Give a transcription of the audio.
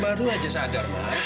mana perempuan itu